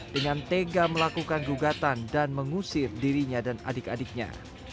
dengan tega melakukan gugatan dan mengusir dirinya dan adik adiknya